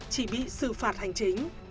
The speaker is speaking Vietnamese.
chỉ bị xử phạt hành chính